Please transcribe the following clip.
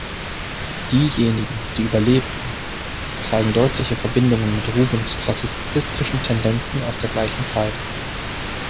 Diejenigen, die überleben, zeigen deutliche Verbindungen mit Rubens’ klassizistischen Tendenzen aus der gleichen Zeit.